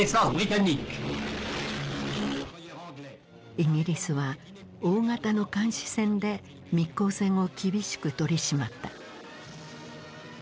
イギリスは大型の監視船で密航船を厳しく取り締まった。